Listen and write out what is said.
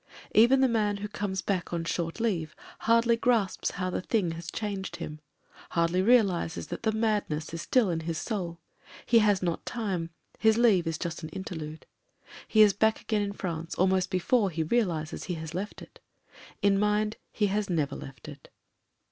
Even the man who comes back on short leave hardly grasps how the thing has changed him : hardly realises that the madness is still in his soul. He has not time ; his leave is just an interlude. He is back again in France almost before he realises he has left it. In mind he has never left it.